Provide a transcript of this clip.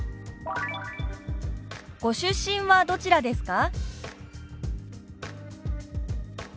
「ご出身はどちらですか？」。